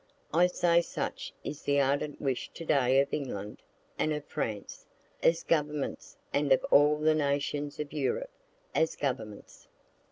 I say such is the ardent wish to day of England and of France, as governments, and of all the nations of Europe, as governments.